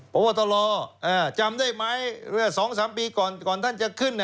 พบตรจำได้ไหมเมื่อ๒๓ปีก่อนท่านจะขึ้น